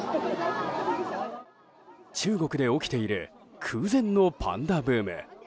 中国で起きている空前のパンダブーム。